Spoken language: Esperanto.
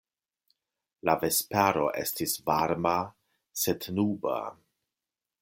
La vespero estis varma, sed nuba.